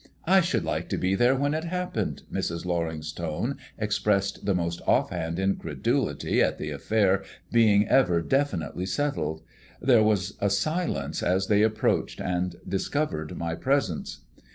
"I should like to be there when it happened." Mrs. Loring's tone expressed the most offhand incredulity in the affair being ever definitely settled. There was a silence as they approached and discovered my presence.